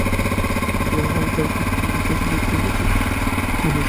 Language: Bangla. ঝোড়ো হাওয়ায় টারকুইজ গ্রিন আকাশটা দেখলেই চৈত্রের সোনালুর কথা মনে আসে।